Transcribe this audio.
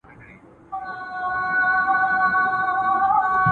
ما په خپل موبایل کې د هغې نوم ولیکه.